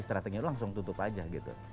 strateginya langsung tutup aja gitu